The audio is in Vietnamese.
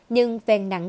nhưng phèn nặng